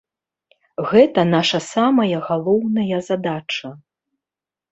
Гэта наша самая галоўная задача.